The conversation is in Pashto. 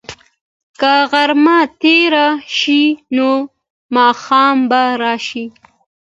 که غرمه تېره شي، نو ماښام به راشي.